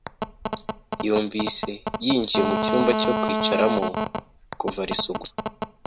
yunvise yinjiye mucyumba cyo kwicaramo kuva leso gusa